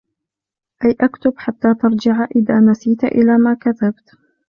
أَيْ اُكْتُبْ حَتَّى تَرْجِعَ إذَا نَسِيتَ إلَى مَا كَتَبْتَ